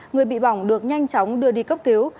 người bị bỏng được nhanh chóng đưa đi cấp cứu